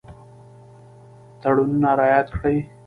تړونونه رعایت کړي.